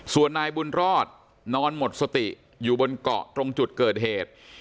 ส่วนนายบุญรอดนอนหมดสติอยู่บนเกาะตรงจุดเกิดเหตุ